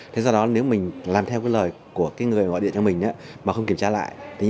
đây là một trong số những nạn nhân bị các đối tượng lừa đảo chiếm đoạt tài sản